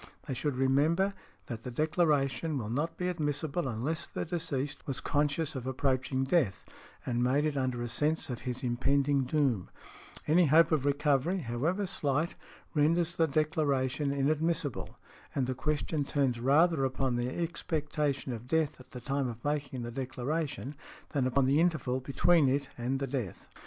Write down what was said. They should remember that the declaration will not be admissible unless the deceased was conscious of approaching death and made it under a sense of his impending doom; any hope of recovery, however slight, renders the declaration inadmissible; and the question turns rather upon the expectation of death at the time of making the declaration than upon the interval between it and the death .